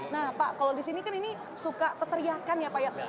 nah pak kalau di sini kan ini suka peteriakan ya pak ya